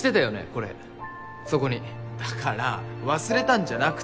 これそこにだから忘れたんじゃなくて。